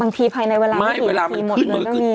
บางทีภายในเวลาไม่ติดคือหมดเลยต้องมี